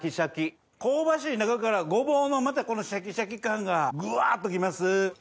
香ばしい中からごぼうのまたこのシャキシャキ感がぐわっと来ます。